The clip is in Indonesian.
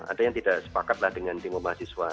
ada yang tidak sepakatlah dengan demo mahasiswa